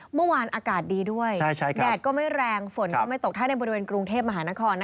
เมื่อวานอากาศดีด้วยแดดก็ไม่แรงฝนก็ไม่ตกถ้าในบริเวณกรุงเทพมหานคร